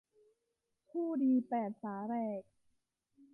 ผู้ดีแปดสาแหรก